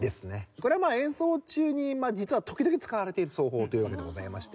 これはまあ演奏中に実は時々使われている奏法というわけでございまして。